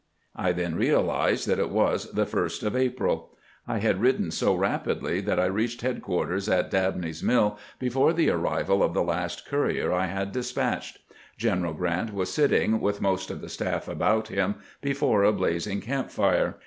I then realized that it was the 1st of April. I had ridden so rapidly that I reached headquarters at Dabney's Mill before thfe arrival of the last courier I had despatched. General Grrant was sit ting, with most of the staff about him, before a blazing camp fire.